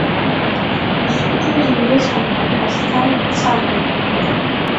Изҿузеи рыцҳақәа Асҭанеи Цақәеи?